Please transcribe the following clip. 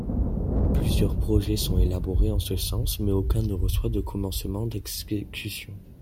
Plusieurs projets sont élaborés en ce sens mais aucun ne reçoit de commencement d'exécution.